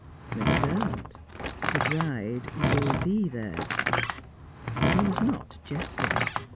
"Miss Derwent, the bride will be there!" He was not jesting.